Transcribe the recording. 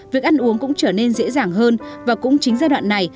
việc ăn uống cũng trở nên dễ dàng hơn và cũng chính giai đoạn này